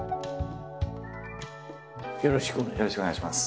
よろしくお願いします。